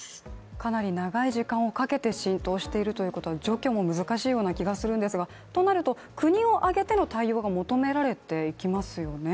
かなり長い時間をかけて浸透しているということで除去も難しいような気がするんですがとなると、国を挙げての対応が求められていきますよね。